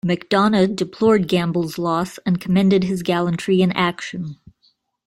Macdonough deplored Gamble's loss and commended his gallantry in action.